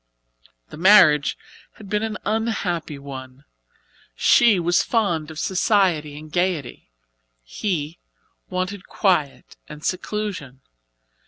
The marriage had been an unhappy one. She was fond of society and gaiety, he wanted quiet and seclusion.